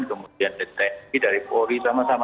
kemudian deteksi dari polri sama sama